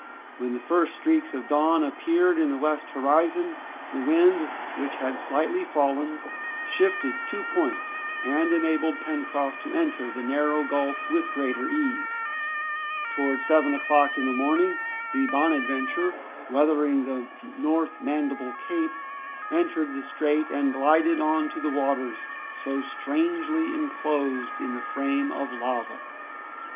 When the first streaks of dawn appeared in the western horizon, the wind, which had slightly fallen, shifted two points, and enabled Pencroft to enter the narrow gulf with greater ease. Towards seven o'clock in the morning, the "Bonadventure," weathering the North Mandible Cape, entered the strait and glided on to the waters, so strangely enclosed in the frame of lava.